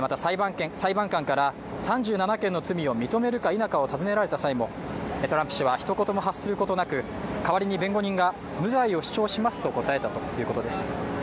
また裁判官から３７件の罪を認めるか否かを尋ねられた際もトランプ氏はひと言も発することなく、代わりに弁護人が無罪を主張しますと答えたということです。